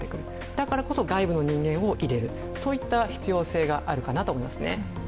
だからこそ外部の人間を入れるそういった必要性があるかなと思いますね。